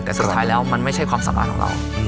แต่สุดท้ายแล้วมันไม่ใช่ความสามารถของเรา